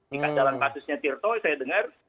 di kacalan kasusnya tirto saya dengar